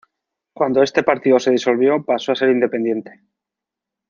Cuando este partido se disolvió, pasó a ser independiente.